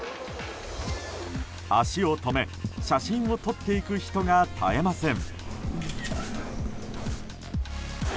足を止め、写真を撮っていく人が絶えません。